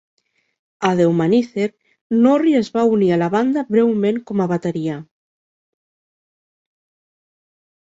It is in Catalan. A "Dehumanizer" Norri es va unir a la banda breument com a bateria.